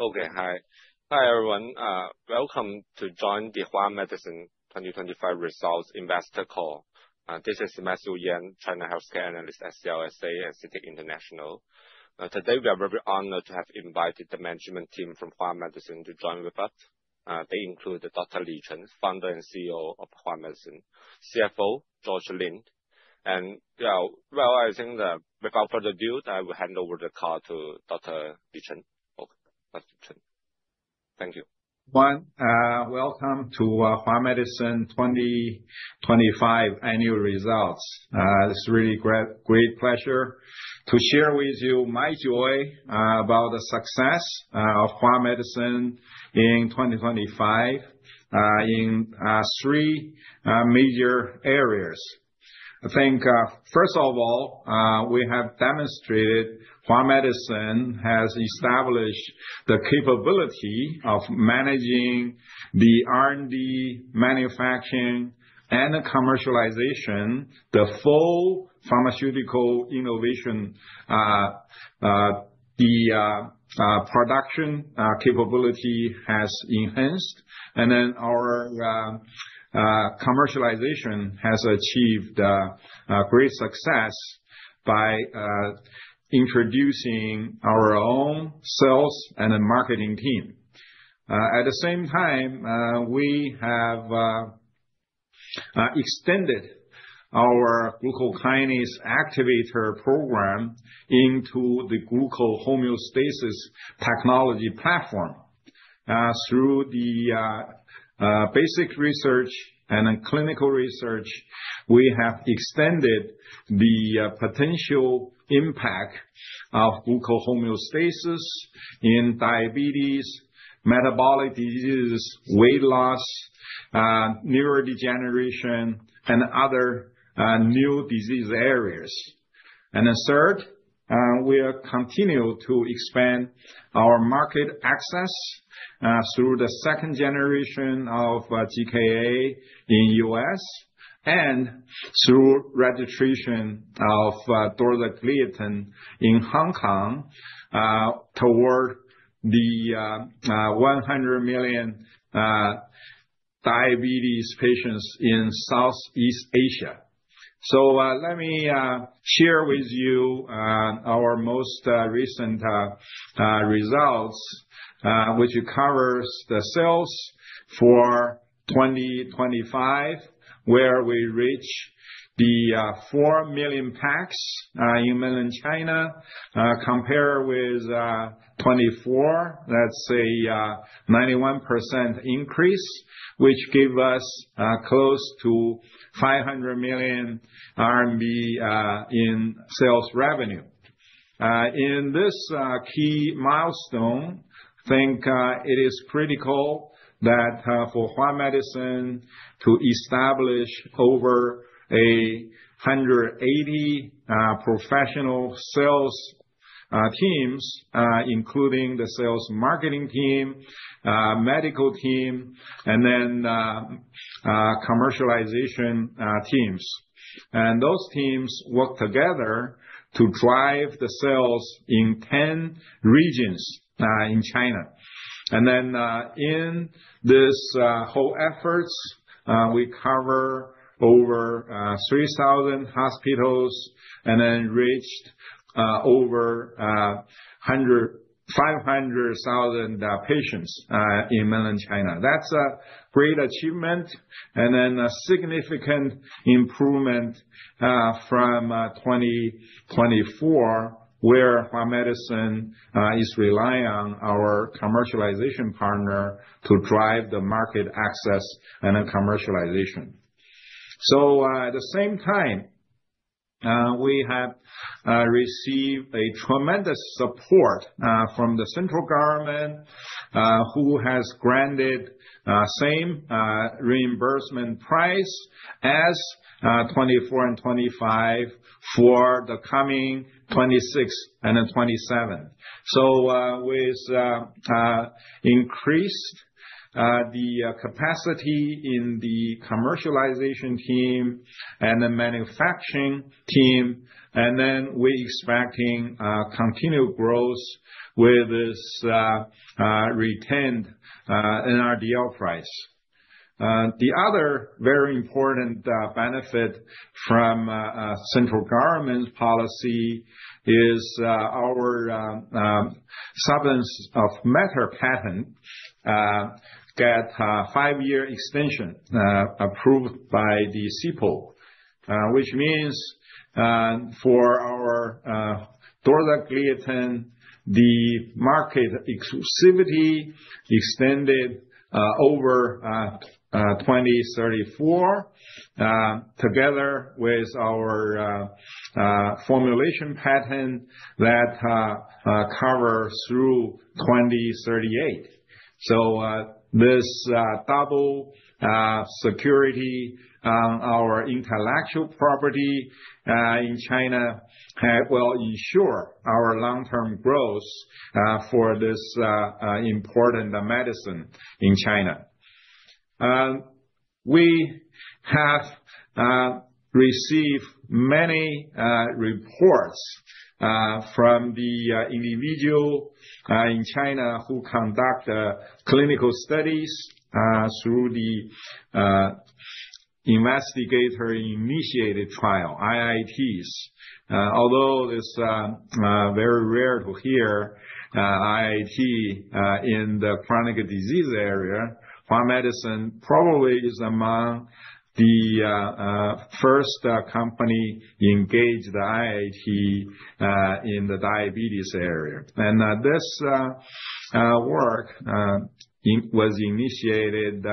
Okay, hi. Hi, everyone. Welcome to join the Hua Medicine 2025 Results Investor Call. This is Matthew Yan, China Healthcare Analyst at CLSA and CITIC International. Today, we are very honored to have invited the management team from Hua Medicine to join with us. They include Dr. Li Chen, Founder and CEO of Hua Medicine, CFO George Lin, and, well, I think that without further ado, I will hand over the call to Dr. Li Chen. Okay, Dr. Chen. Thank you. Welcome to Hua Medicine 2025 annual results. It's really great pleasure to share with you my joy about the success of Hua Medicine in 2025 in three major areas. I think first of all we have demonstrated Hua Medicine has established the capability of managing the R&D manufacturing and the commercialization, the full pharmaceutical innovation. The production capability has enhanced. Our commercialization has achieved great success by introducing our own sales and marketing team. At the same time we have extended our glucokinase activator program into the glucose homeostasis technology platform. Through the basic research and then clinical research, we have extended the potential impact of glucose homeostasis in diabetes, metabolic diseases, weight loss, neurodegeneration, and other new disease areas. Third, we continue to expand our market access through the second-generation of GKA in U.S. and through registration of dorzagliatin in Hong Kong toward the 100 million diabetes patients in Southeast Asia. Let me share with you our most recent results, which covers the sales for 2025, where we reach the 4 million packs in mainland China compare with 2024, let's say, 91% increase, which give us close to 500 million RMB in sales revenue. In this key milestone, I think it is critical that for Hua Medicine to establish over 180 professional sales teams, including the sales marketing team, medical team, and then commercialization teams. Those teams work together to drive the sales in 10 regions in China. In this whole efforts, we cover over 3,000 hospitals and then reached over 150,000 patients in mainland China. That's a great achievement and then a significant improvement from 2024, where Hua Medicine is relying on our commercialization partner to drive the market access and then commercialization. At the same time, we have received a tremendous support from the central government, who has granted same reimbursement price as 2024 and 2025 for the coming 2026 and then 2027. With increased the capacity in the commercialization team and the manufacturing team, and then we expecting continued growth with this retained NRDL price. The other very important benefit from central government policy is our composition of matter patent get a five-year extension approved by the CNIPA. Which means, for our dorzagliatin, the market exclusivity extended over 2034, together with our formulation patent that cover through 2038. This double security our intellectual property in China will ensure our long-term growth for this important medicine in China. We have received many reports from the individual in China who conduct clinical studies through the investigator-initiated trial, IITs. Although it's very rare to hear IIT in the chronic disease area, Hua Medicine probably is among the first company engage the IIT in the diabetes area. This work was initiated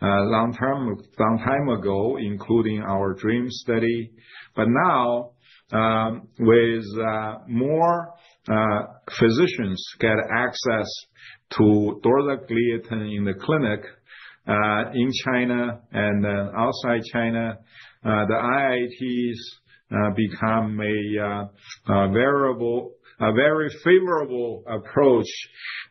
some time ago, including our DREAM study. Now, with more physicians get access to dorzagliatin in the clinic, in China and then outside China, the IITs become a very favorable approach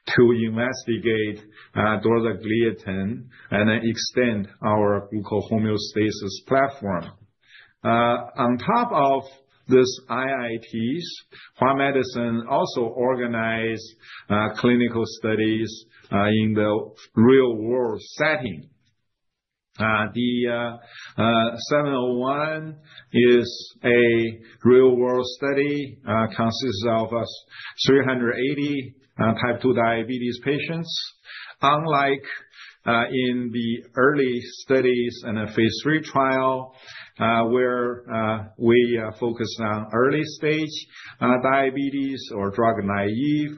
to investigate dorzagliatin and then extend our glucose homeostasis platform. On top of this IITs, Hua Medicine also organized clinical studies in the real-world setting. The 701 is a real-world study consists of 380 type 2 diabetes patients. Unlike in the early studies in a phase III trial, where we focus on early stage diabetes or drug-naive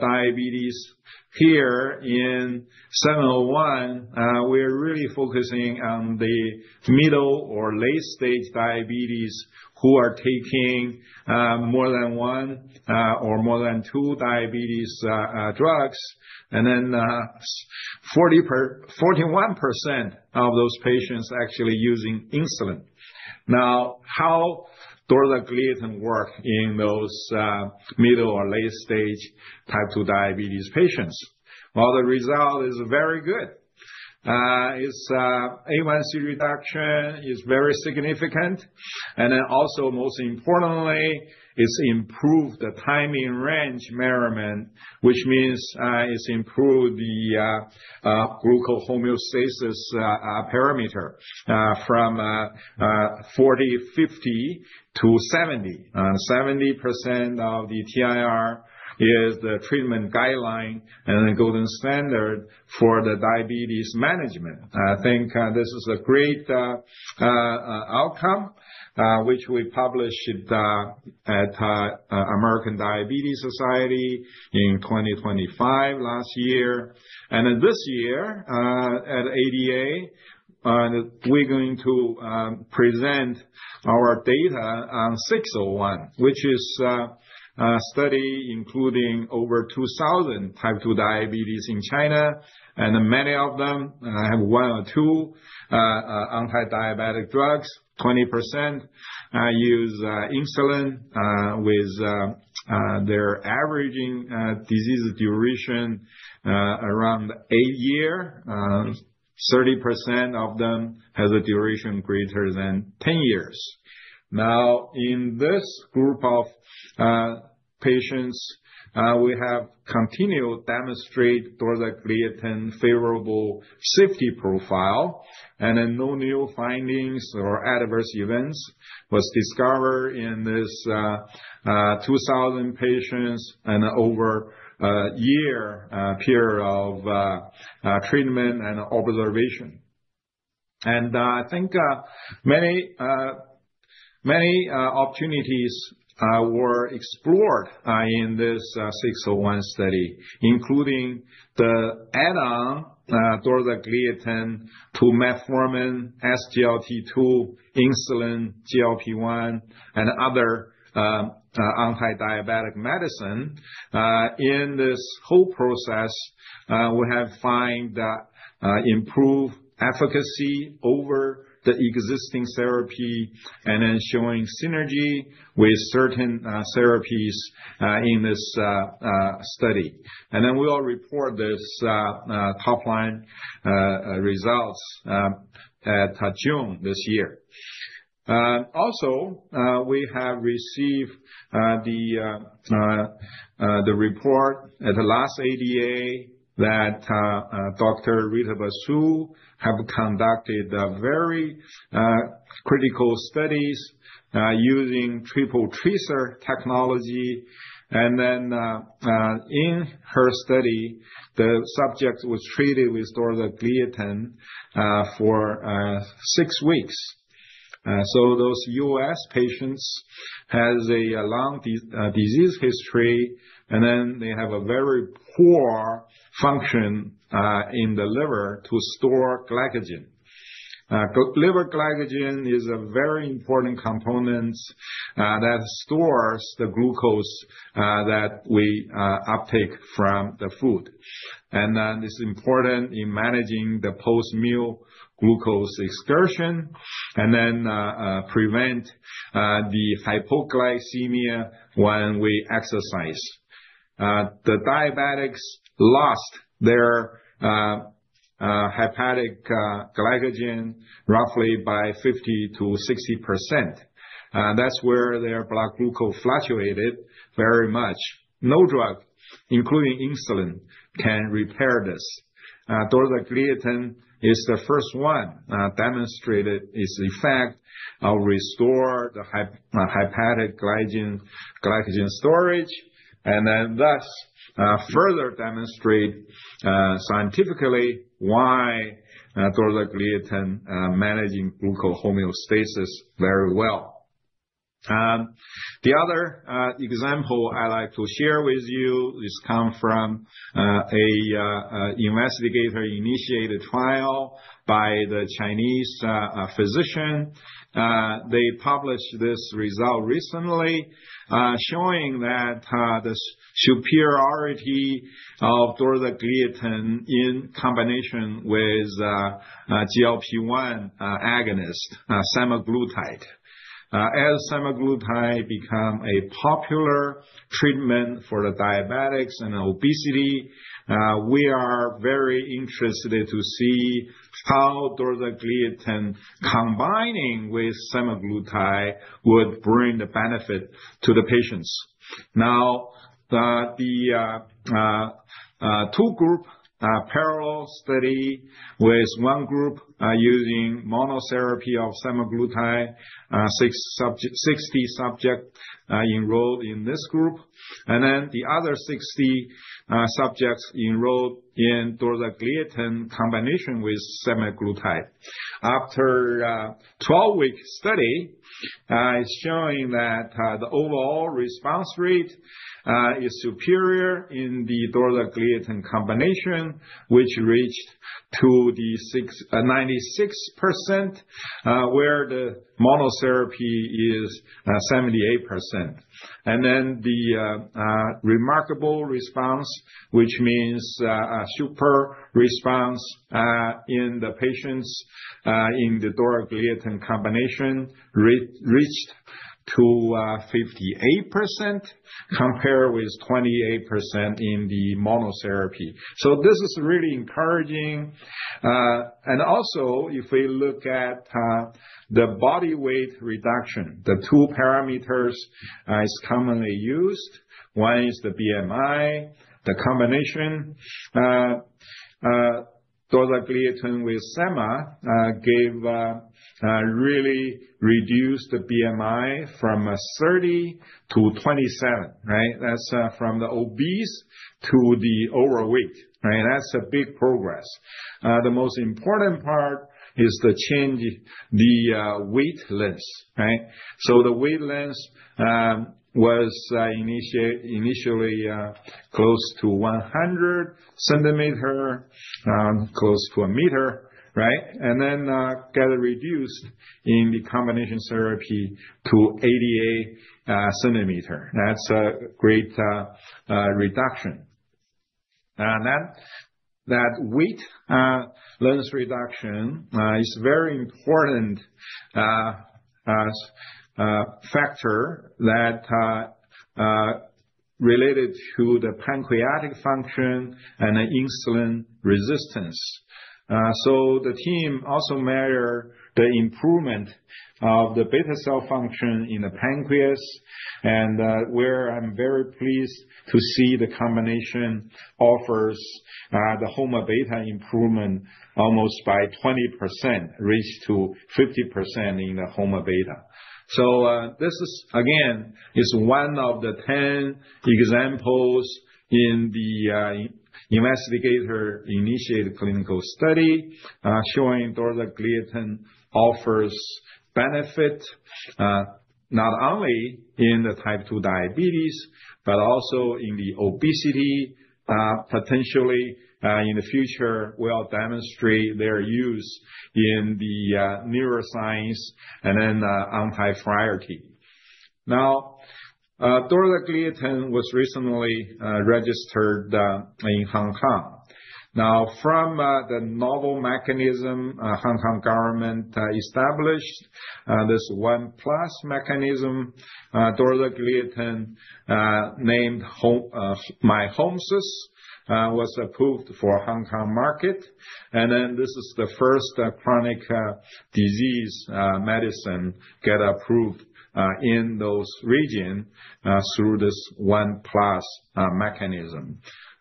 diabetes, here in 701, we're really focusing on the middle or late stage diabetes who are taking more than one or more than two diabetes drugs. 41% of those patients actually using insulin. Now, how dorzagliatin work in those middle or late stage type 2 diabetes patients? Well, the result is very good. Its A1c reduction is very significant, and then also most importantly, it's improved the time in range measurement, which means it's improved the glucose homeostasis parameter from 40%-50% to 70%. 70% TIR is the treatment guideline and the gold standard for the diabetes management. I think this is a great outcome which we published at American Diabetes Association in 2025 last year. This year, at ADA, we're going to present our data on 601, which is a study including over 2,000 type 2 diabetes patients in China. Many of them have one or two anti-diabetic drugs. 20% use insulin with their average disease duration around eight years. 30% of them has a duration greater than 10 years. In this group of patients, we continue to demonstrate dorzagliatin favorable safety profile, and no new findings or adverse events was discovered in this 2,000 patients and over a year period of treatment and observation. I think many opportunities were explored in this 601 study, including the add-on dorzagliatin to metformin, SGLT2, insulin, GLP-1, and other anti-diabetic medicine. In this whole process, we have found improved efficacy over the existing therapy and then showing synergy with certain therapies in this study. We will report this top-line results in June this year. Also, we have received the report at the last ADA that Dr. Rita Basu has conducted a very critical studies using triple-tracer technique. In her study, the subject was treated with dorzagliatin for six weeks. So those U.S. patients have a long disease history, and they have a very poor function in the liver to store glycogen. Liver glycogen is a very important component that stores the glucose that we uptake from the food. It's important in managing the post-meal glucose excursion and then prevent the hypoglycemia when we exercise. The diabetics lost their hepatic glycogen roughly by 50%-60%. That's where their blood glucose fluctuated very much. No drug, including insulin, can repair this. Dorzagliatin is the first one demonstrated its effect of restore the hepatic glycogen storage, and thus further demonstrate scientifically why dorzagliatin managing glucose homeostasis very well. The other example I'd like to share with you comes from a investigator-initiated trial by the Chinese physician. They published this result recently showing that the superiority of dorzagliatin in combination with GLP-1 agonist semaglutide. As semaglutide become a popular treatment for the diabetics and obesity, we are very interested to see how dorzagliatin combining with semaglutide would bring the benefit to the patients. Now, the two group parallel study, with one group using monotherapy of semaglutide, 60 subjects enrolled in this group, and then the other 60 subjects enrolled in dorzagliatin combination with semaglutide. After a 12-week study, it's showing that the overall response rate is superior in the dorzagliatin combination, which reached 96%, where the monotherapy is 78%. The remarkable response, which means a super response, in the patients in the dorzagliatin combination reached 58% compared with 28% in the monotherapy. This is really encouraging. If we look at the body weight reduction, the two parameters is commonly used. One is the BMI, the combination dorzagliatin with sema gave really reduced the BMI from 30 to 27, right? That's from the obese to the overweight. Right? That's a big progress. The most important part is the change, the waist lengths, right? The waist lengths was initially close to 100 cm, close to a meter, right? Got reduced in the combination therapy to 88 cm. That's a great reduction. That waist lengths reduction is very important factor that related to the pancreatic function and insulin resistance. The team also measure the improvement of the beta cell function in the pancreas, and where I'm very pleased to see the combination offers the HOMA-β improvement almost by 20%, reached to 50% in the HOMA-β. This is again one of the 10 examples in the investigator-initiated clinical study showing dorzagliatin offers benefit not only in the type 2 diabetes, but also in the obesity, potentially in the future will demonstrate their use in the neuroscience and then anti-frailty. Now dorzagliatin was recently registered in Hong Kong. From the novel mechanism, Hong Kong government established this 1+ mechanism, dorzagliatin named MYHOMSIS was approved for Hong Kong market. This is the first chronic disease medicine get approved in those region through this 1+ mechanism.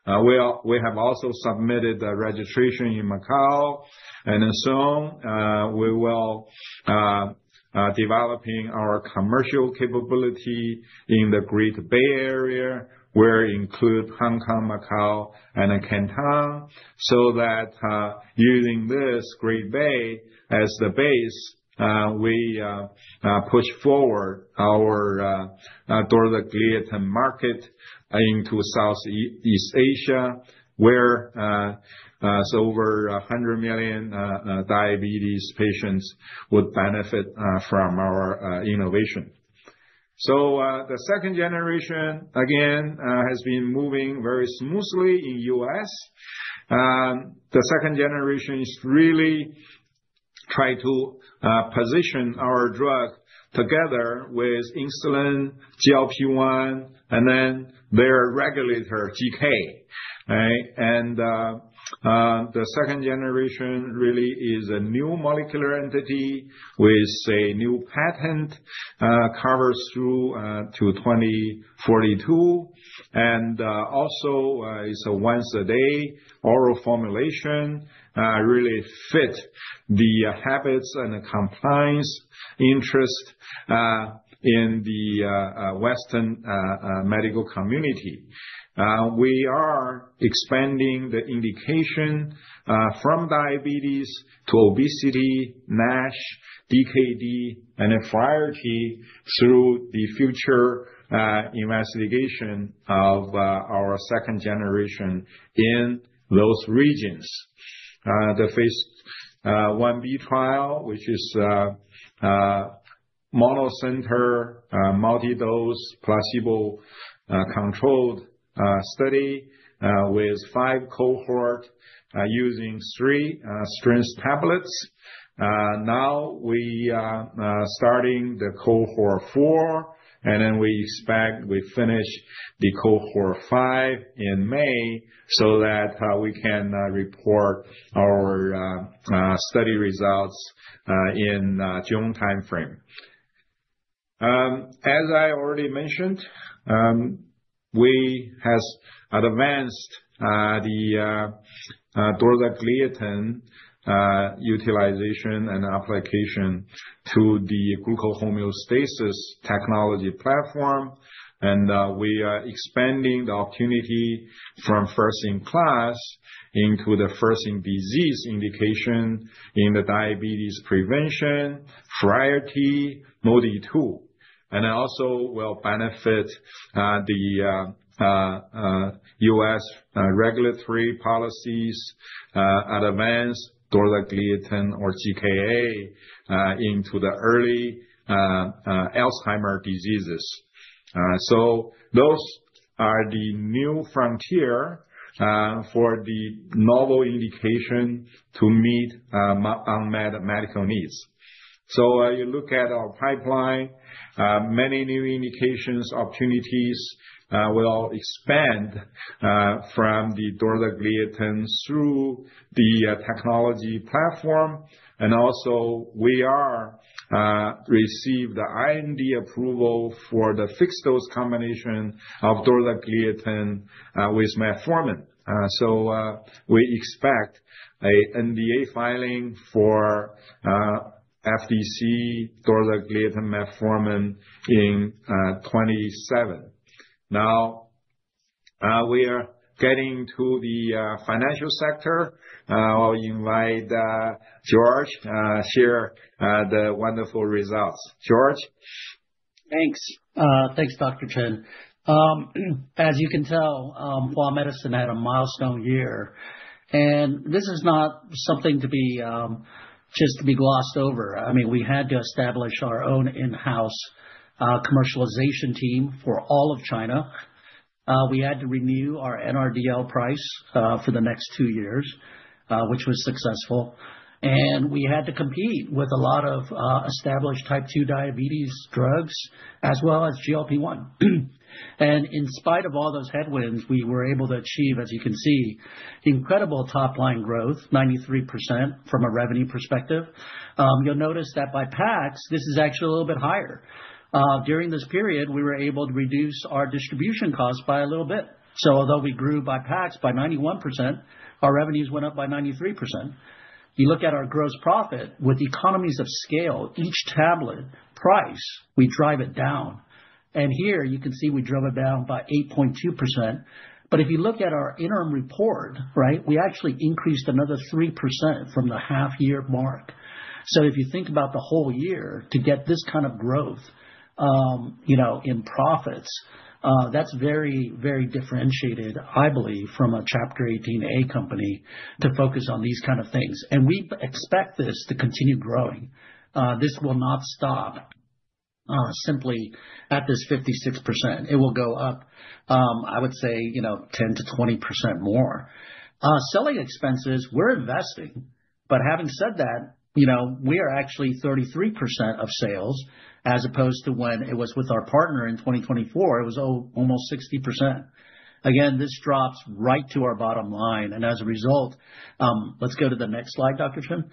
We have also submitted a registration in Macau and in Seoul. We will developing our commercial capability in the Greater Bay Area, where include Hong Kong, Macau and then Canton, so that using this Greater Bay as the base we push forward our dorzagliatin market into Southeast Asia, where so over 100 million diabetes patients would benefit from our innovation. The second-generation again has been moving very smoothly in U.S. The second-generation is really try to position our drug together with insulin, GLP-1, and then their regulator GKA. Right? The second-generation really is a new molecular entity with a new patent covers through to 2042. It is a once a day oral formulation really fit the habits and the compliance interest in the Western medical community. We are expanding the indication from diabetes to obesity, NASH, DKD, and then priority through the future investigation of our second-generation in those regions. The phase Ib trial, which is monocenter multi-dose placebo-controlled study with five cohort using three strength tablets. Now we are starting the Cohort 4, and then we expect we finish the Cohort 5 in May, so that we can report our study results in June timeframe. As I already mentioned, we has advanced the dorzagliatin utilization and application to the glucose homeostasis technology platform. We are expanding the opportunity from first in class into the first in disease indication in the diabetes prevention, priority MODY 2. It will benefit the U.S. regulatory policies advance dorzagliatin or GKA into the early Alzheimer's diseases. Those are the new frontier for the novel indication to meet unmet medical needs. You look at our pipeline, many new indications, opportunities will expand from the dorzagliatin through the technology platform. We are received the IND approval for the fixed dose combination of dorzagliatin with metformin. We expect a NDA filing for FDC dorzagliatin metformin in 2027. Now, we are getting to the financial sector. I'll invite George to share the wonderful results. George? Thanks. Thanks, Dr. Chen. As you can tell, Hua Medicine had a milestone year, and this is not something to be just to be glossed over. I mean, we had to establish our own in-house commercialization team for all of China. We had to renew our NRDL price for the next two years, which was successful. We had to compete with a lot of established type 2 diabetes drugs as well as GLP-1. In spite of all those headwinds, we were able to achieve, as you can see, incredible top-line growth, 93% from a revenue perspective. You'll notice that by packs, this is actually a little bit higher. During this period, we were able to reduce our distribution costs by a little bit. Although we grew by packs by 91%, our revenues went up by 93%. You look at our gross profit, with the economies of scale, each tablet price, we drive it down. Here you can see we drove it down by 8.2%. If you look at our interim report, right, we actually increased another 3% from the half-year mark. If you think about the whole year, to get this kind of growth, you know, in profits, that's very, very differentiated, I believe, from a Chapter 18A company to focus on these kind of things. We expect this to continue growing. This will not stop simply at this 56%. It will go up, I would say, you know, 10%-20% more. Selling expenses, we're investing. Having said that, you know, we are actually 33% of sales as opposed to when it was with our partner in 2024, it was almost 60%. Again, this drops right to our bottom line. As a result, let's go to the next slide, Dr. Chen.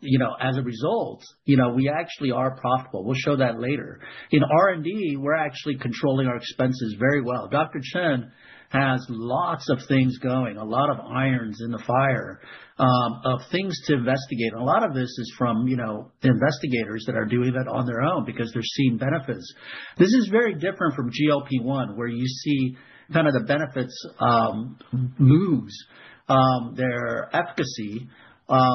You know, as a result, you know, we actually are profitable. We'll show that later. In R&D, we're actually controlling our expenses very well. Dr. Chen has lots of things going, a lot of irons in the fire, of things to investigate. A lot of this is from, you know, investigators that are doing it on their own because they're seeing benefits. This is very different from GLP-1, where you see kind of the benefits, but lose their efficacy,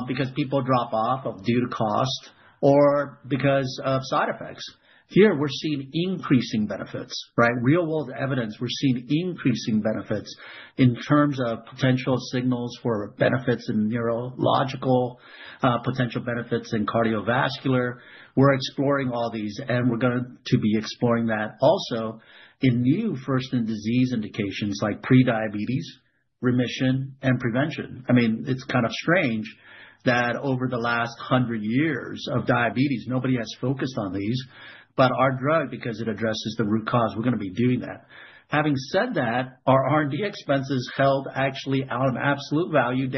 because people drop off due to cost or because of side effects. Here we're seeing increasing benefits, right? Real-world evidence, we're seeing increasing benefits in terms of potential signals for benefits in neurological, potential benefits in cardiovascular. We're exploring all these, and we're going to be exploring that also in new first-in-disease indications like prediabetes, remission and prevention. I mean, it's kind of strange that over the last 100 years of diabetes, nobody has focused on these, but our drug, because it addresses the root cause, we're gonna be doing that. Having said that, our R&D expenses actually held down in absolute value.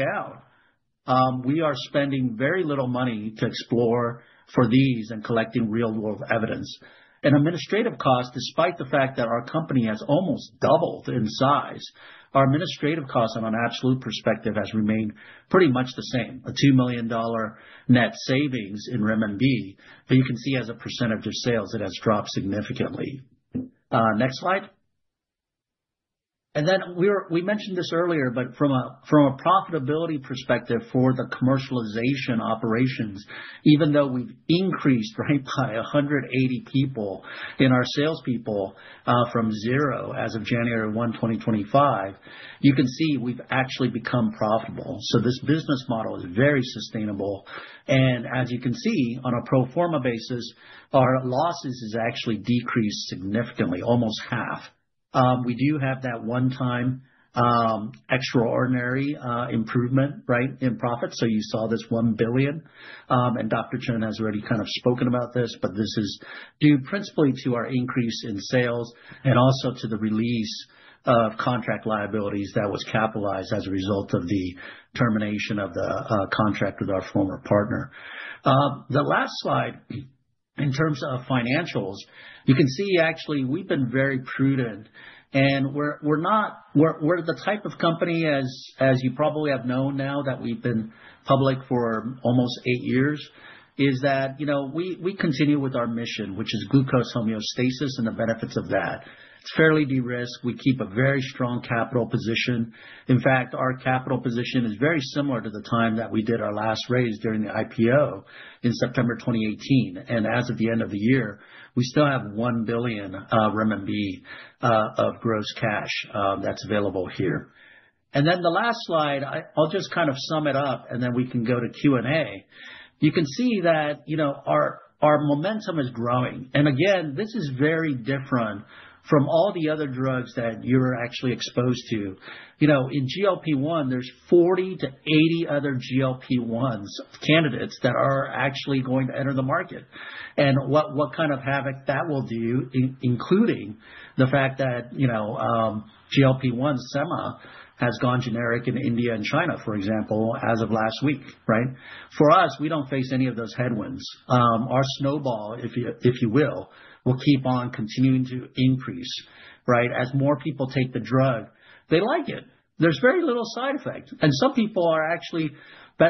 We are spending very little money to explore for these and collecting real-world evidence. Administrative costs, despite the fact that our company has almost doubled in size, our administrative costs on an absolute perspective has remained pretty much the same. A $2 million net savings in renminbi, but you can see as a percentage of sales it has dropped significantly. We mentioned this earlier, but from a profitability perspective for the commercialization operations, even though we've increased ranks by 180 people in our salespeople, from zero as of January 1, 2025, you can see we've actually become profitable. This business model is very sustainable. As you can see on a pro forma basis, our losses has actually decreased significantly, almost half. We do have that one-time extraordinary improvement, right, in profit. You saw this 1 billion, and Dr. Chen has already kind of spoken about this, but this is due principally to our increase in sales and also to the release of contract liabilities that was capitalized as a result of the termination of the contract with our former partner. The last slide in terms of financials, you can see actually we've been very prudent and we're the type of company as you probably have known now that we've been public for almost eight years, is that you know we continue with our mission, which is glucose homeostasis and the benefits of that. It's fairly de-risked. We keep a very strong capital position. In fact, our capital position is very similar to the time that we did our last raise during the IPO in September 2018. As of the end of the year, we still have 1 billion RMB of gross cash that's available here. Then the last slide, I'll just kind of sum it up and then we can go to Q&A. You can see that, you know, our momentum is growing. Again, this is very different from all the other drugs that you're actually exposed to. You know, in GLP-1, there's 40-80 other GLP-1 candidates that are actually going to enter the market. And what kind of havoc that will do, including the fact that, you know, GLP-1 semaglutide has gone generic in India and China, for example, as of last week, right? For us, we don't face any of those headwinds. Our snowball, if you will keep on continuing to increase, right? As more people take the drug, they like it. There's very little side effects. Some people are actually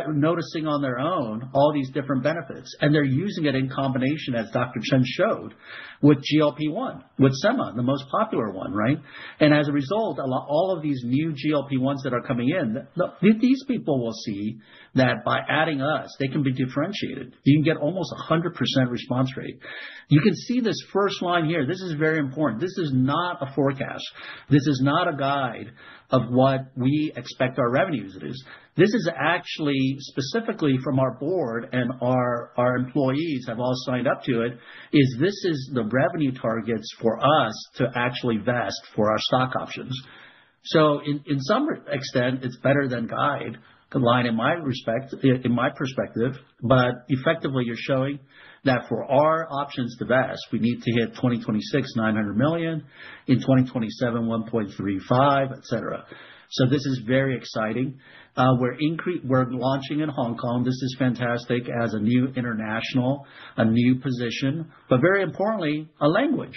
noticing on their own all these different benefits, and they're using it in combination, as Dr. Chen showed, with GLP-1, with sema, the most popular one, right? As a result, all of these new GLP-1s that are coming in, these people will see that by adding us, they can be differentiated. You can get almost 100% response rate. You can see this first line here. This is very important. This is not a forecast. This is not a guide of what we expect our revenues is. This is actually specifically from our board and our employees have all signed up to it, this is the revenue targets for us to actually vest for our stock options. In some extent, it's better than the guideline in my perspective, but effectively you're showing that for our options to vest, we need to hit 2026, 900 million, in 2027, 1.35 billion, et cetera. This is very exciting. We're launching in Hong Kong. This is fantastic as a new international, a new position, but very importantly, a language.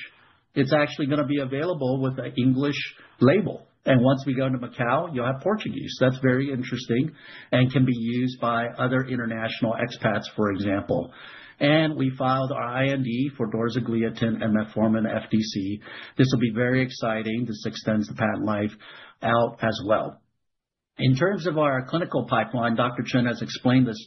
It's actually gonna be available with an English label. Once we go into Macau, you'll have Portuguese. That's very interesting and can be used by other international expats, for example. We filed our IND for dorzagliatin and metformin FDC. This will be very exciting. This extends the patent life out as well. In terms of our clinical pipeline, Dr. Chen has explained this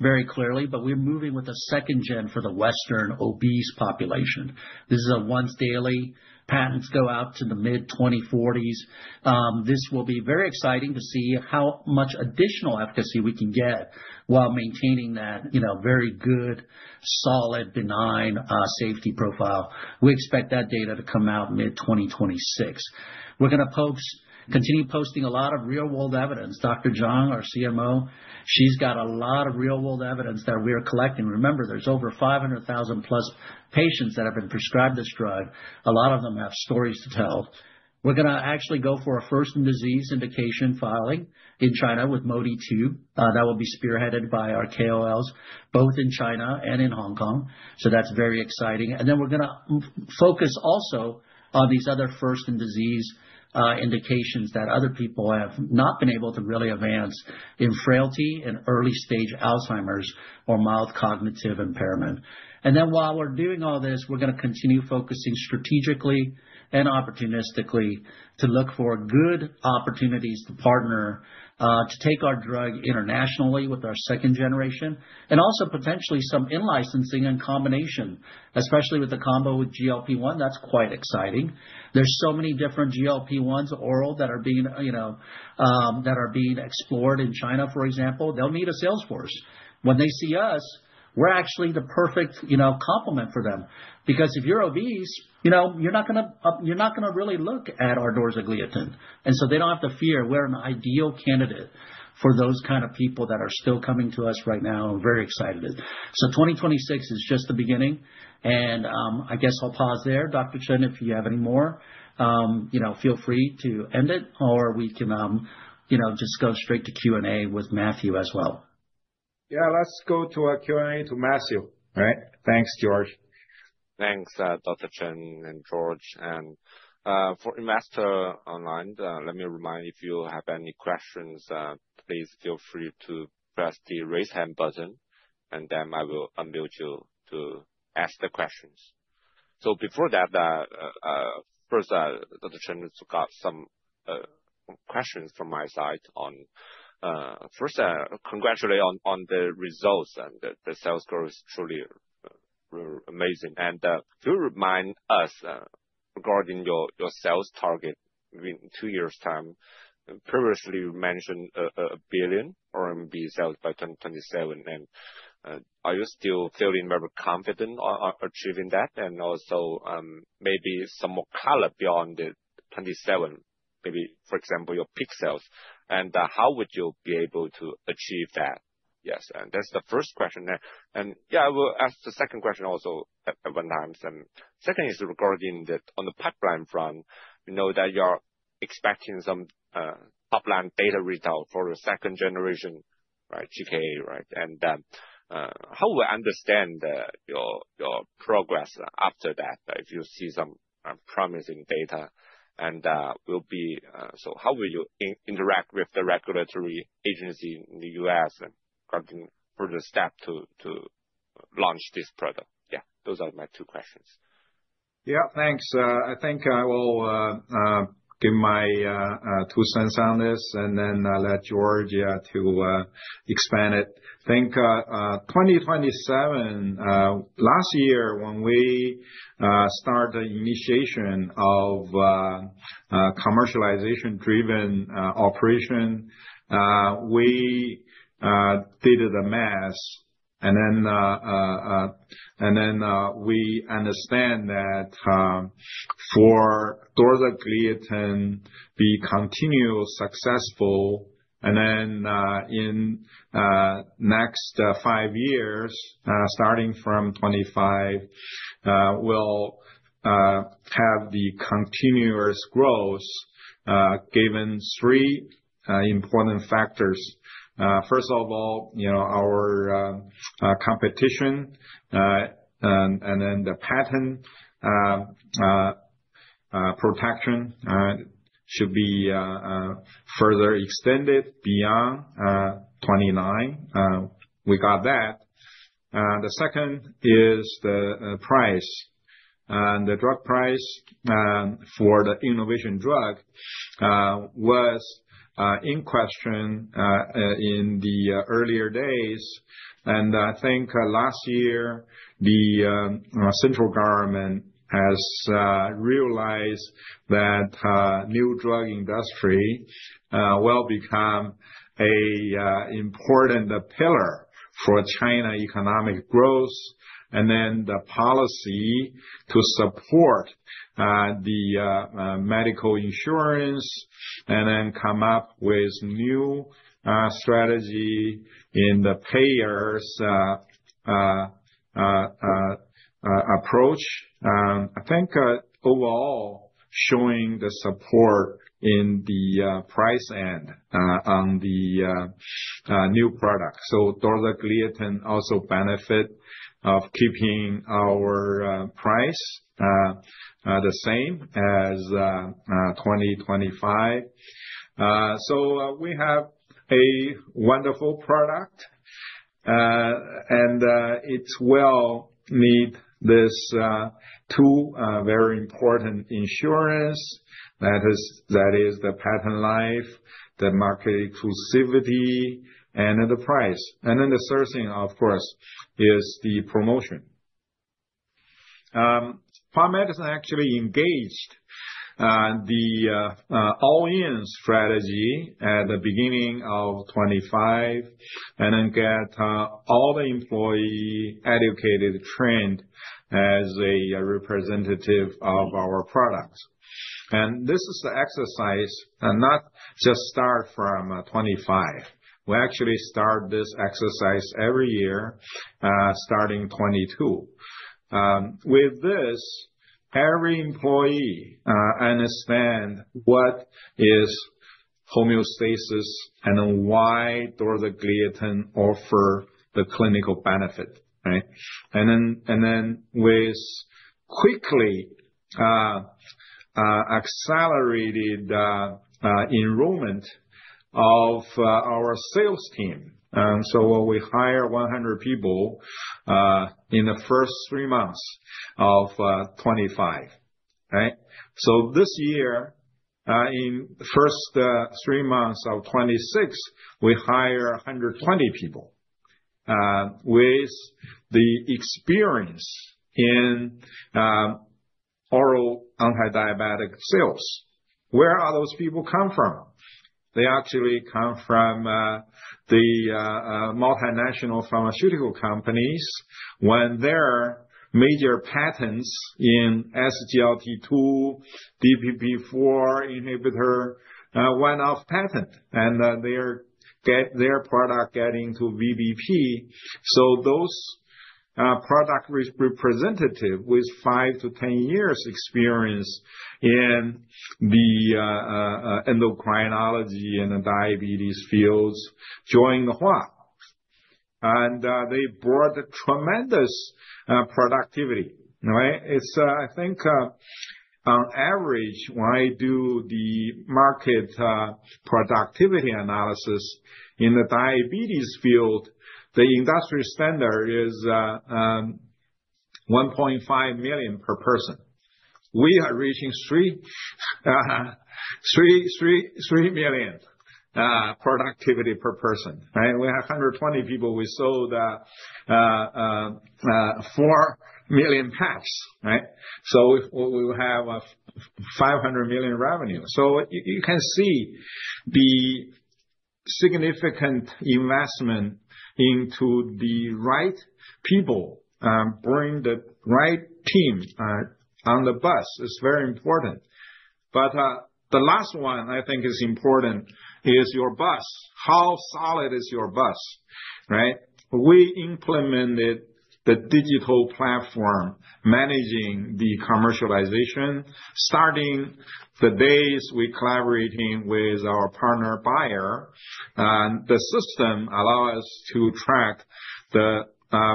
very clearly, but we're moving with a second-gen for the Western obese population. This is a once daily. Patents go out to the mid-2040s. This will be very exciting to see how much additional efficacy we can get while maintaining that, you know, very good, solid, benign safety profile. We expect that data to come out mid-2026. We're gonna continue posting a lot of real-world evidence. Dr. Zhang, our CMO, she's got a lot of real-world evidence that we are collecting. Remember, there's over 500,000+ patients that have been prescribed this drug. A lot of them have stories to tell. We're gonna actually go for a first-in-disease indication filing in China with MODY 2. That will be spearheaded by our KOLs, both in China and in Hong Kong. That's very exciting. We're gonna focus also on these other first-in-disease indications that other people have not been able to really advance in frailty and early stage Alzheimer's or mild cognitive impairment. While we're doing all this, we're gonna continue focusing strategically and opportunistically to look for good opportunities to partner to take our drug internationally with our second-generation and also potentially some in-licensing and combination, especially with the combo with GLP-1. That's quite exciting. There's so many different GLP-1s oral that are being, you know, that are being explored in China, for example. They'll need a sales force. When they see us, we're actually the perfect, you know, complement for them. Because if you're obese, you know, you're not gonna really look at our dorzagliatin. They don't have to fear we're an ideal candidate for those kind of people that are still coming to us right now. Very excited. 2026 is just the beginning. I guess I'll pause there. Li Chen, if you have any more, you know, feel free to end it or we can, you know, just go straight to Q&A with Matthew as well. Yeah, let's go to Q&A to Matthew. All right? Thanks, George. Thanks, Li Chen and George. For investors online, let me remind you if you have any questions, please feel free to press the Raise Hand button, and then I will unmute you to ask the questions. Before that, first, Li Chen, I've got some questions from my side on, first, congratulations on the results and the sales growth is truly amazing. To remind us, regarding your sales target within two years' time, previously you mentioned 1 billion RMB sales by 2027. Are you still feeling very confident on achieving that? Also, maybe some more color beyond the 2027, maybe, for example, your peak sales, and how would you be able to achieve that? Yes, and that's the first question. Yeah, I will ask the second question also at one time. Second is regarding on the pipeline front. You know that you're expecting some top-line data result for the second-generation, right, GKA, right? And then, how we understand your progress after that, if you see some promising data and will be so how will you interact with the regulatory agency in the U.S. regarding further step to launch this product? Yeah, those are my two questions. Yeah, thanks. I think I will give my two cents on this, and then I'll let George to expand it. I think 2027. Last year when we started the initiation of a commercialization-driven operation, we did the math and then we understand that for dorzagliatin to be continually successful. In next five years, starting from 2025, we'll have the continuous growth given three important factors. First of all, you know, our competition and then the patent protection should be further extended beyond 2029. We got that. The second is the price. The drug price for the innovation drug was in question in the earlier days. I think last year, the central government has realized that new drug industry will become a important pillar for China economic growth, and then the policy to support the medical insurance and then come up with new strategy in the payers' approach. I think overall showing the support in the price and on the new product. Dorzagliatin also benefit of keeping our price the same as 2025. We have a wonderful product, and it will need this two very important insurance. That is the patent life, the market exclusivity, and then the price. The third thing, of course, is the promotion. Hua Med actually engaged the all-in strategy at the beginning of 2025 and then got all the employees educated, trained as representatives of our product. This is the exercise, not just starting from 2025. We actually start this exercise every year, starting 2022. With this, every employee understands what is homeostasis and why dorzagliatin offers the clinical benefit, right? We quickly accelerated enrollment of our sales team. We hire 100 people in the first three months of 2025, right? This year, in the first three months of 2026, we hire 120 people with experience in oral antidiabetic sales. Where do those people come from? They actually come from the multinational pharmaceutical companies when their major patents in SGLT2, DPP4 inhibitor went off patent and their product get into VBP. Those product representative with 5-10 years experience in the endocrinology and the diabetes fields joined Hua. They brought a tremendous productivity, right? It's, I think, on average, when I do the market productivity analysis in the diabetes field, the industry standard is 1.5 million per person. We are reaching 3.3 million productivity per person, right? We have 120 people. We sold 4 million packs, right? We will have 500 million revenue. You can see the significant investment into the right people, bring the right team on the bus is very important. The last one I think is important is your bus. How solid is your bus, right? We implemented the digital platform managing the commercialization, starting the days we collaborating with our partner Bayer. The system allow us to track the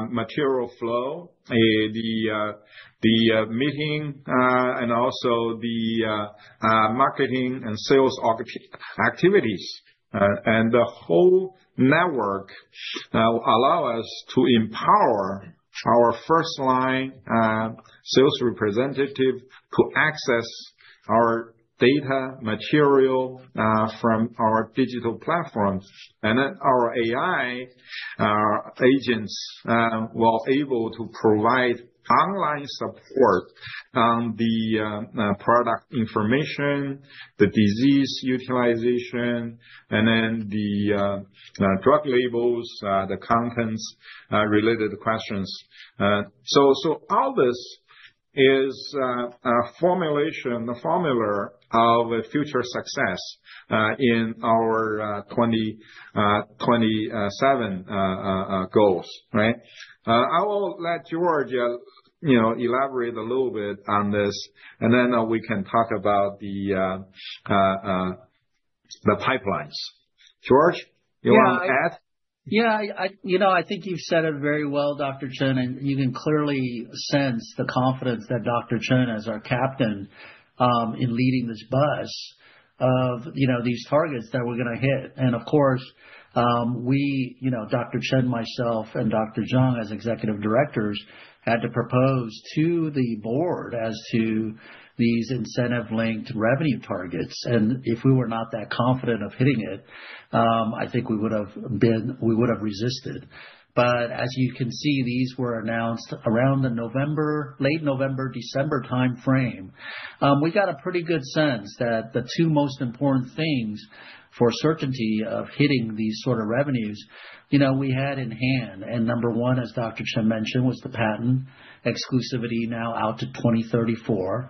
material flow, the meeting, and also the marketing and sales activities. The whole network allow us to empower our first-line sales representative to access our data material from our digital platforms. Our AI, our agents was able to provide online support on the product information, the disease education, and the drug labels, the content-related questions. All this is a formulation, a formula of a future success in our 2027 goals, right? I will let George, you know, elaborate a little bit on this, and then we can talk about the pipelines. George, you wanna add? Yeah. You know, I think you said it very well, Dr. Chen. You can clearly sense the confidence that Dr. Chen as our captain in leading this bus of, you know, these targets that we're gonna hit. Of course, we, you know, Dr. Chen, myself and Dr. Jiang as executive directors, had to propose to the board as to these incentive-linked revenue targets. If we were not that confident of hitting it, I think we would have resisted. As you can see, these were announced around the November, late November, December timeframe. We got a pretty good sense that the two most important things for certainty of hitting these sort of revenues, you know, we had in hand. Number one, as Dr. Chen mentioned, was the patent exclusivity now out to 2034.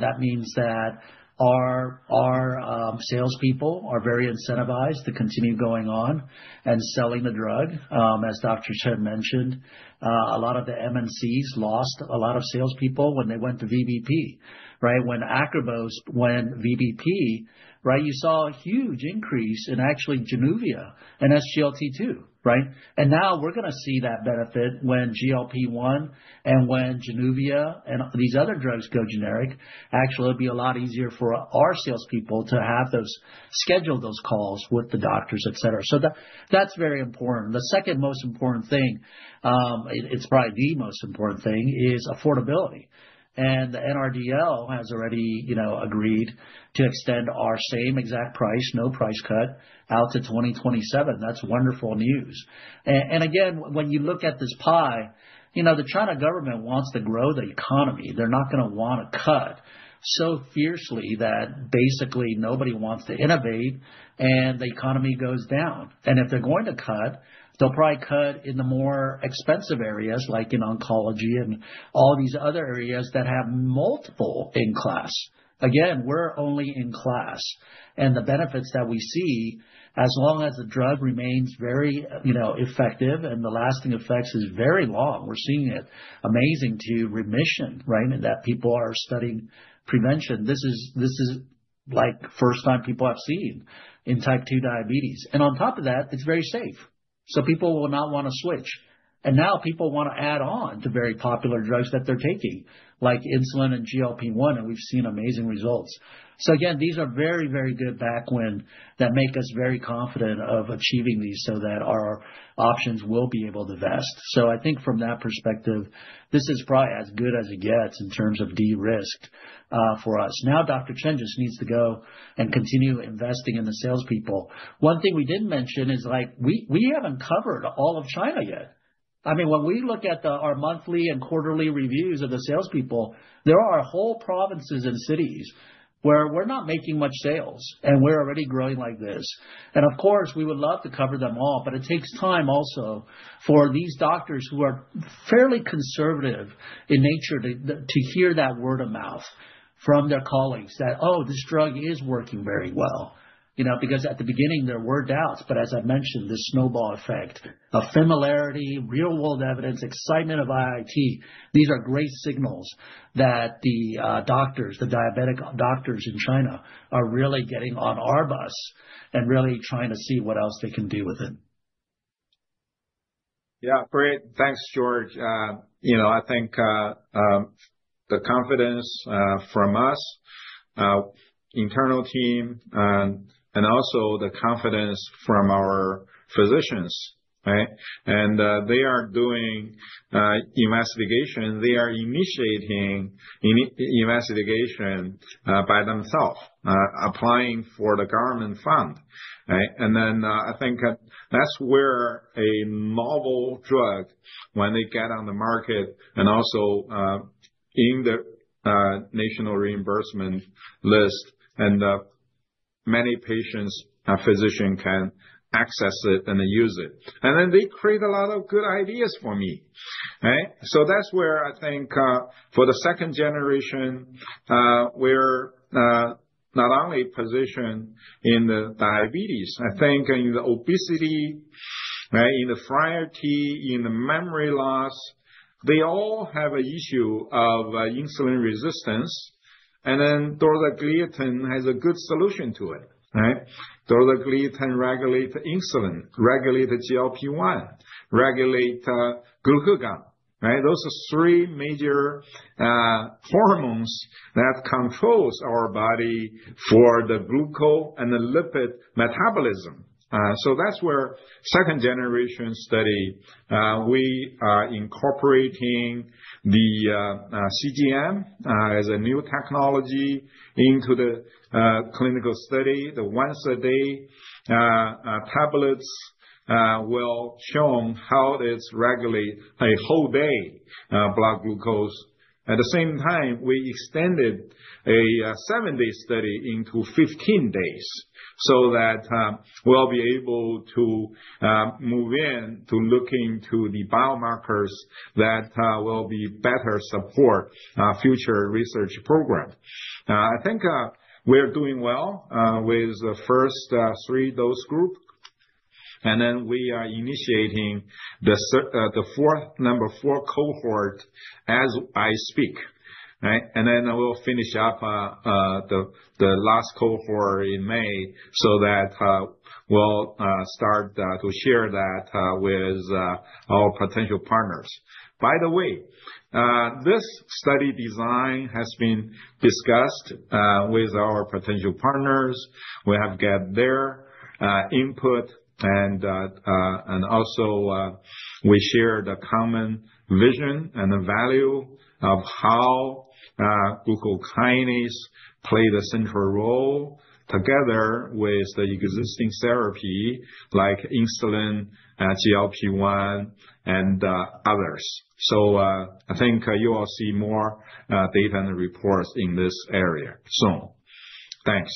That means that our salespeople are very incentivized to continue going on and selling the drug. As Dr. Chen mentioned, a lot of the MNCs lost a lot of salespeople when they went to VBP, right? When acarbose, when VBP, right, you saw a huge increase in actually Januvia and SGLT2, right? Now we're gonna see that benefit when GLP-1 and when Januvia and these other drugs go generic. Actually, it'll be a lot easier for our salespeople to have those, schedule those calls with the doctors, et cetera. That, that's very important. The second most important thing, it's probably the most important thing is affordability. The NRDL has already agreed to extend our same exact price, no price cut out to 2027. That's wonderful news. When you look at this pie, you know, the Chinese government wants to grow the economy. They're not gonna wanna cut so fiercely that basically nobody wants to innovate and the economy goes down. If they're going to cut, they'll probably cut in the more expensive areas like in oncology and all these other areas that have multiple in class. Again, we're only in class. The benefits that we see as long as the drug remains very, you know, effective and the lasting effects is very long. We're seeing amazing remission, right? People are studying prevention. This is like first time people have seen in type 2 diabetes. On top of that, it's very safe, so people will not wanna switch. Now people wanna add on to very popular drugs that they're taking, like insulin and GLP-1, and we've seen amazing results. Again, these are very, very good tailwind that make us very confident of achieving these so that our options will be able to vest. I think from that perspective, this is probably as good as it gets in terms of de-risked for us. Now, Dr. Chen just needs to go and continue investing in the salespeople. One thing we didn't mention is like we haven't covered all of China yet. I mean, when we look at our monthly and quarterly reviews of the salespeople, there are whole provinces and cities where we're not making much sales and we're already growing like this. Of course, we would love to cover them all, but it takes time also for these doctors who are fairly conservative in nature to hear that word of mouth from their colleagues that, "Oh, this drug is working very well." You know, because at the beginning there were doubts. As I mentioned, the snowball effect of familiarity, real-world evidence, excitement of IIT, these are great signals that the doctors, the diabetic doctors in China are really getting on our bus and really trying to see what else they can do with it. Yeah, great. Thanks, George. You know, I think the confidence from us internal team and also the confidence from our physicians, right? They are doing investigation. They are initiating investigation by themselves, applying for the government fund, right? I think that's where a novel drug, when they get on the market and also in the national reimbursement list and many patients and physician can access it and use it. They create a lot of good ideas for me, right? That's where I think for the second-generation, we're not only positioned in the diabetes, I think in the obesity, right, in the frailty, in the memory loss, they all have an issue of insulin resistance. Dorzagliatin has a good solution to it, right? Dulaglutide regulate insulin, regulate the GLP-1, regulate glucagon, right? Those are three major hormones that controls our body for the glucose and the lipid metabolism. That's where second-generation study we are incorporating the CGM as a new technology into the clinical study. The once a day tablets will show how it is regulate a whole day blood glucose. At the same time, we extended a seven-day study into 15 days so that we'll be able to move into looking to the biomarkers that will be better support future research program. I think we're doing well with the first three dose group, and then we are initiating the fourth, number four cohort as I speak, right? We'll finish up the last cohort in May, so that we'll start to share that with our potential partners. By the way, this study design has been discussed with our potential partners. We have got their input and also we share the common vision and the value of how glucokinase play the central role together with the existing therapy like insulin, GLP-1 and others. I think you will see more data and reports in this area soon. Thanks.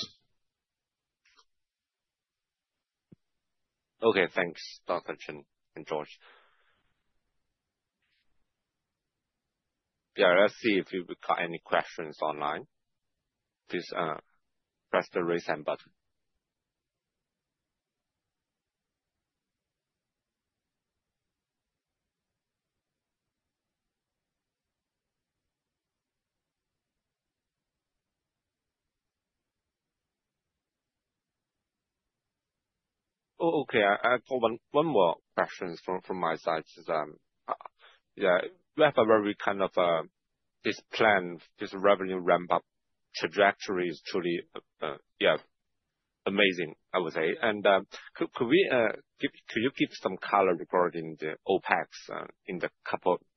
Okay, thanks, Dr. Chen and George. Yeah, let's see if you've got any questions online. Please press the Raise Hand button. Oh, okay. I have one more question from my side. Yeah, we have a very kind of this plan, this revenue ramp up trajectory is truly yeah amazing, I would say. Could you give some color regarding the OpEx in the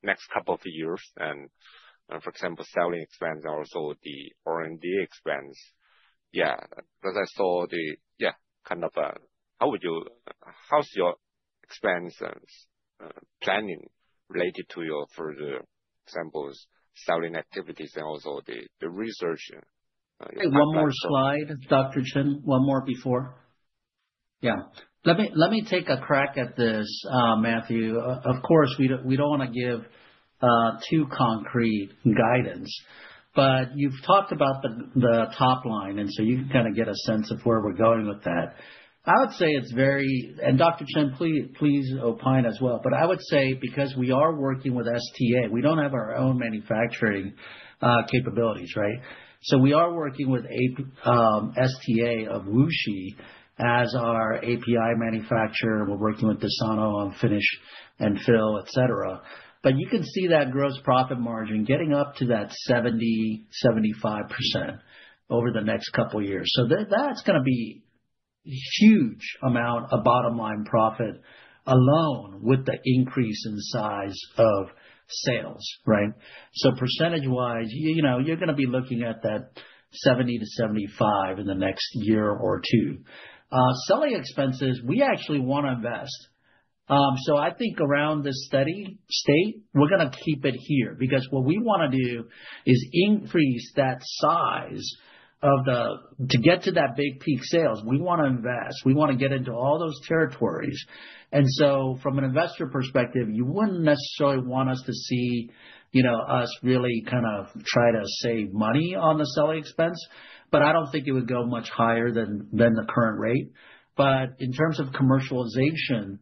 next couple of years and for example, selling expense, also the R&D expense? Yeah, because I saw the yeah, kind of how's your expense planning related to your further samples, selling activities, and also the research. One more slide, Dr. Chen. One more before. Yeah. Let me take a crack at this, Matthew. Of course, we don't wanna give too concrete guidance. You've talked about the top line, and so you can kind of get a sense of where we're going with that. I would say it's very. Dr. Chen, please opine as well. I would say, because we are working with WuXi STA, we don't have our own manufacturing capabilities, right? So we are working with Desano on fill and finish, et cetera. You can see that gross profit margin getting up to that 70%, 75% over the next couple years. That's gonna be huge amount of bottom line profit alone with the increase in the size of sales, right? Percentage-wise, you know, you're gonna be looking at that 70%-75% in the next year or two. Selling expenses, we actually wanna invest. I think around the steady state, we're gonna keep it here, because what we wanna do is increase that size to get to that big peak sales, we wanna invest. We wanna get into all those territories. From an investor perspective, you wouldn't necessarily want to see us, you know, really kind of try to save money on the selling expense, but I don't think it would go much higher than the current rate. In terms of commercialization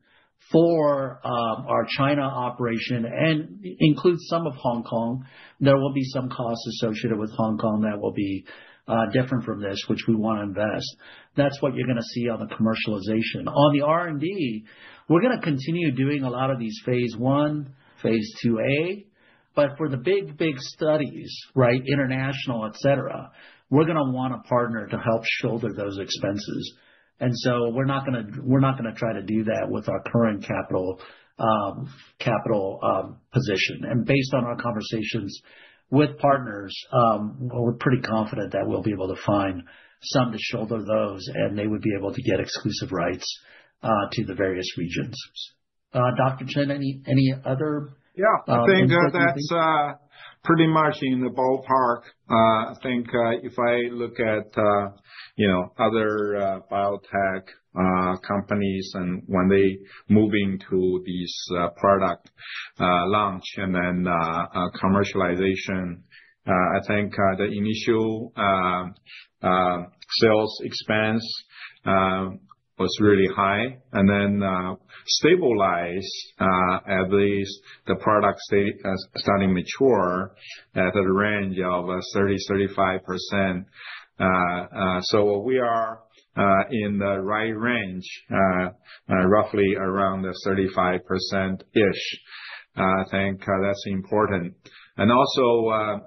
for our China operation and includes some of Hong Kong, there will be some costs associated with Hong Kong that will be different from this, which we wanna invest. That's what you're gonna see on the commercialization. On the R&D, we're gonna continue doing a lot of these phase I, phase IIa, but for the big, big studies, right? International, et cetera, we're gonna want a partner to help shoulder those expenses. We're not gonna try to do that with our current capital position. Based on our conversations with partners, we're pretty confident that we'll be able to find some to shoulder those, and they would be able to get exclusive rights to the various regions. Dr. Chen, any other input you think? I think that's pretty much in the ballpark. I think if I look at you know other biotech companies and when they move into these product launch and then commercialization I think the initial sales expense was really high and then stabilize at least the product stay starting mature at a range of 30%-35%. We are in the right range roughly around the 35%-ish. I think that's important. For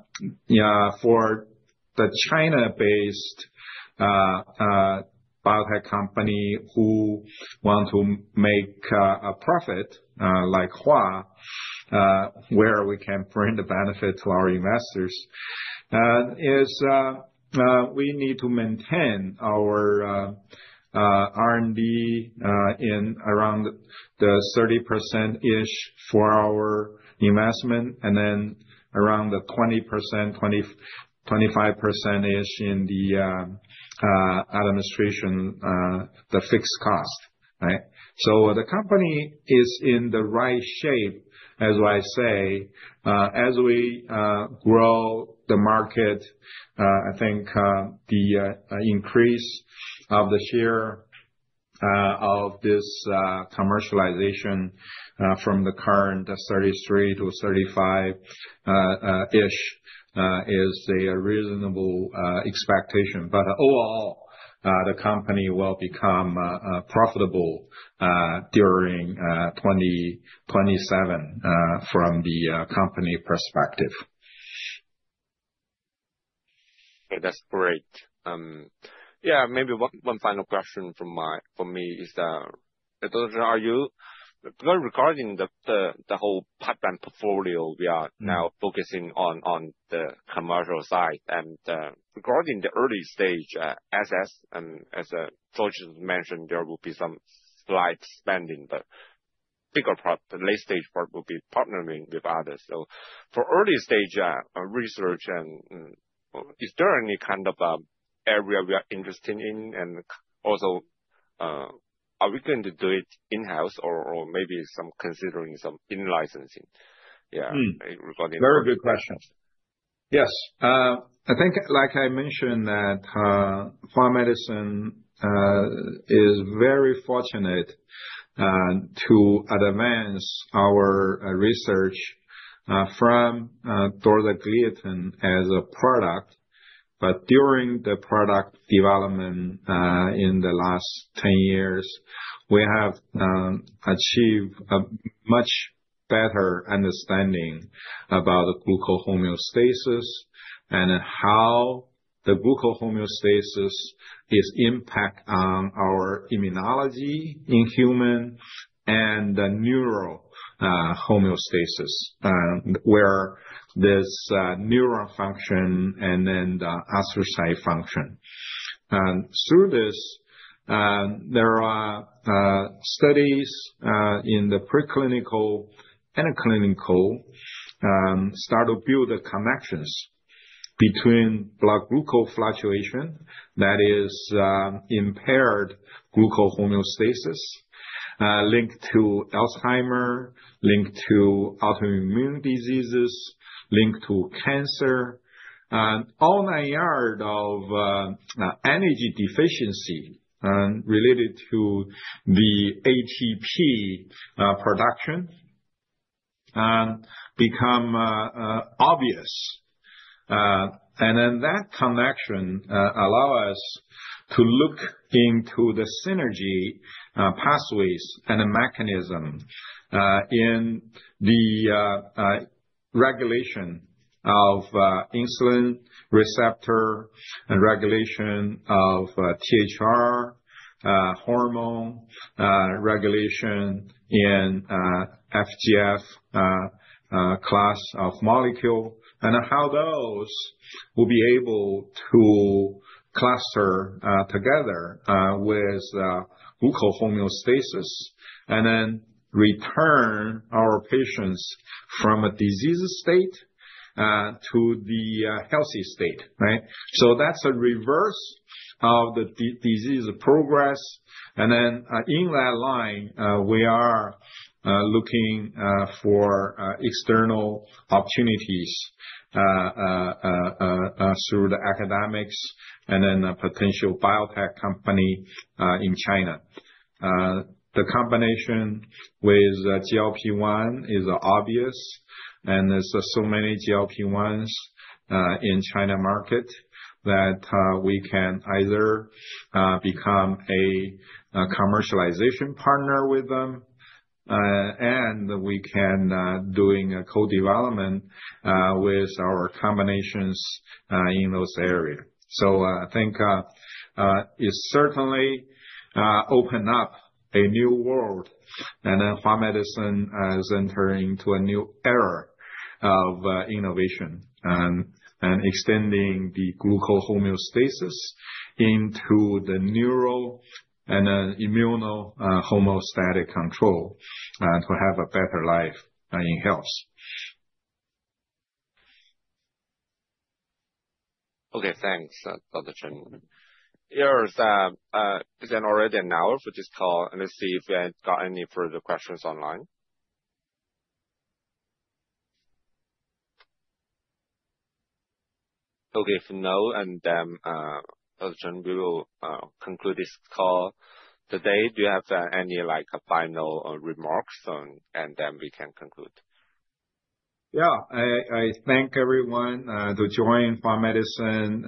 the China-based biotech company who want to make a profit like Hua, where we can bring the benefit to our investors, is we need to maintain our R&D in around the 30%-ish for our investment, and then around the 20%, 20%-25%-ish in the administration, the fixed cost, right? The company is in the right shape, as I say. As we grow the market, I think the increase of the share of this commercialization from the current 33%-35%-ish is a reasonable expectation. Overall, the company will become profitable during 2027 from the company perspective. Okay, that's great. Yeah, maybe one final question from me is that those are you not regarding the whole pipeline portfolio we are. Now focusing on the commercial side. Regarding the early stage assets, as George mentioned, there will be some slight spending, but bigger part, the late stage part will be partnering with others. For early stage research, is there any kind of area we are interested in? Also, are we going to do it in-house or maybe considering some in-licensing? Very good questions. Yes. I think like I mentioned that, Hua Medicine is very fortunate to advance our research from dorzagliatin as a product. During the product development in the last 10 years, we have achieved a much better understanding about glucose homeostasis and how the glucose homeostasis is impact on our immunology in human and the neural homeostasis where there's neural function and then the astrocyte function. Through this, there are studies in the preclinical and clinical start to build the connections between blood glucose fluctuation that is impaired glucose homeostasis linked to Alzheimer's linked to autoimmune diseases linked to cancer all in aid of energy deficiency related to the ATP production become obvious. That connection allow us to look into the synergy pathways and the mechanism in the regulation of insulin receptor and regulation of TRH hormone regulation in FGF class of molecule, and how those will be able to cluster together with glucose homeostasis and then return our patients from a disease state to the healthy state, right? That's a reverse of the disease progress. In that line, we are looking for external opportunities through the academics and then a potential biotech company in China. The combination with GLP-1 is obvious, and there's so many GLP-1s in China market that we can either become a commercialization partner with them, and we can doing a co-development with our combinations in those area. I think it's certainly open up a new world and then Hua Medicine is entering into a new era of innovation, and extending the glucose homeostasis into the neural and then immuno homeostatic control to have a better life and in health. Okay, thanks, Dr. Chen. Here is, it's been already an hour for this call. Let's see if we've got any further questions online. Okay. If no, and then, Dr. Chen, we will conclude this call today. Do you have any like final remarks and then we can conclude? I thank everyone to join Hua Medicine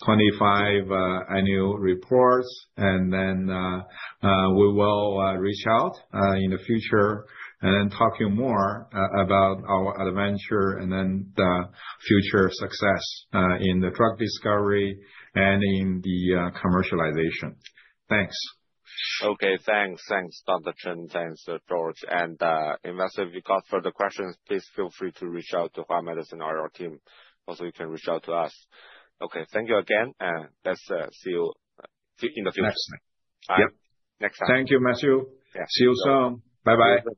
2025 annual reports. We will reach out in the future and talk to you more about our adventure and then the future success in the drug discovery and in the commercialization. Thanks. Okay, thanks. Thanks, Dr. Chen. Thanks, George. And investors, if you got further questions, please feel free to reach out to Hua Medicine or IR team. Also, you can reach out to us. Okay. Thank you again, and let's see you in the future. Next time. All right. Next time. Thank you, Matthew. See you soon. Bye-bye.